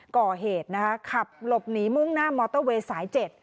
ก่อเหตุนะคะขับหลบหนีมุ่งหน้ามอเตอร์เวย์สาย๗